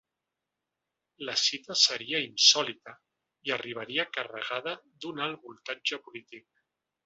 La cita seria insòlita i arribaria carregada d’un alt voltatge polític.